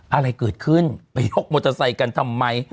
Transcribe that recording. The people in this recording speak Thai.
อะไรเกิดขึ้นไปยกมอเตอร์ไซค์กันทำไม